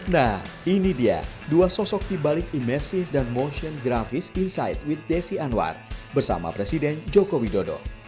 nah ini dia dua sosok dibalik imersif dan motion grafis inside with desi anwar bersama presiden joko widodo